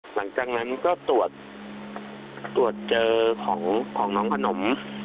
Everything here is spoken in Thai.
หลังจากนั้นก็ตรวจเจอของน้องขนม